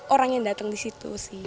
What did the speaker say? orang yang datang disitu sih